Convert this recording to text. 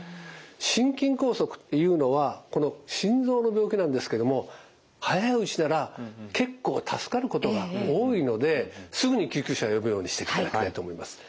心筋梗塞っていうのは心臓の病気なんですけども早いうちなら結構助かることが多いのですぐに救急車を呼ぶようにしていただきたいと思います。